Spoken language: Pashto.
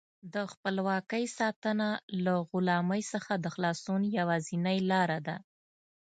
د خپلواکۍ ساتنه له غلامۍ څخه د خلاصون یوازینۍ لاره ده.